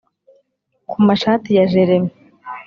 kumashati ya jeremy.